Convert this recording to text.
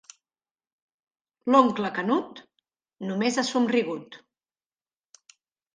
L'oncle Canut només ha somrigut.